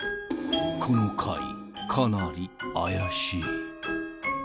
［この会かなり怪しい］